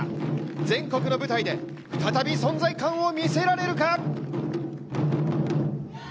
全国の舞台で再び存在感を見せられるか。